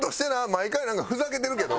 毎回なんかふざけてるけど。